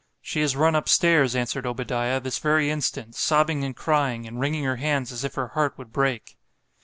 She is run up stairs, answered Obadiah, this very instant, sobbing and crying, and wringing her hands as if her heart would break.